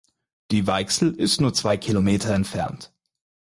Die Weichsel ist nur zwei Kilometer entfernt.